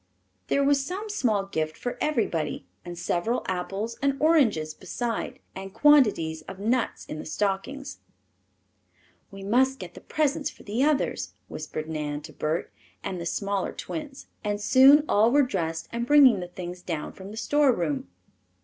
There was some small gift for everybody and several apples and oranges besides, and quantities of nuts in the stockings. "We must get the presents for the others," whispered Nan to Bert and the smaller twins, and soon all were dressed and bringing the things down from the storeroom.